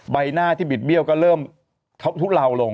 ใบหน้าที่บิดเบี้ยวก็เริ่มท็อทุเลาลง